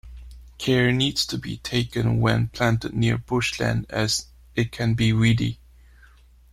Care needs to be taken when planted near bushland as it can be weedy.